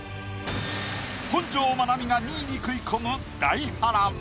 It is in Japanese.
本上まなみが２位に食い込む大波乱。